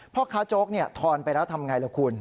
พ่อค้าโจ๊กทอนไปแล้วทำไงล่ะคุณ